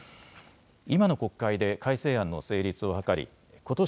今の国会で改正案の成立を図りことし